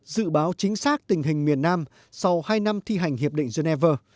dự báo chính xác tình hình miền nam sau hai năm thi hành hiệp định geneva